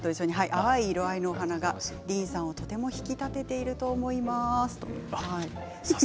淡い色合いのお花がディーンさんを引き立ていると思いますということです。